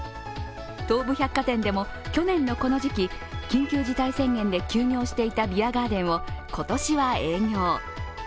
東武百貨店でも去年のこの時期緊急事態宣言で休業していたビアガーデンを今年は営業。